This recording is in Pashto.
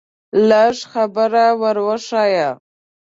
لږه خبره ور وښیه.